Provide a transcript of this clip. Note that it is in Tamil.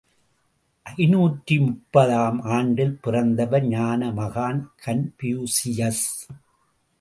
ஐநூற்று முப்பது ஆம் ஆண்டில் பிறந்தவர், ஞான மகான் கன்பூசியஸ்.